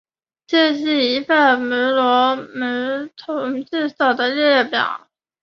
这是一份穆罗姆统治者的列表。